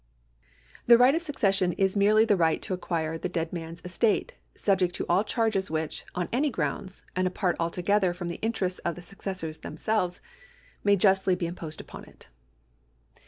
The right of successicm is merely the right to acquire the dead man's estate, subject to all charges which, on any grounds, and apart altogether from the interests of the successors themselves, may justly be imposed upon it.